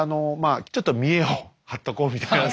あちょっと見えを張っとこうみたいな。